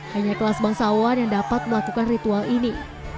hanya kelas bangsawan yang dapat melakukan ritual ini